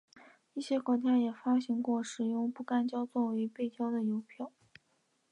一些国家也发行过使用不干胶作为背胶的邮票。